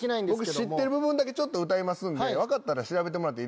僕知ってる部分だけちょっと歌いますんで分かったら調べてもらっていいですか？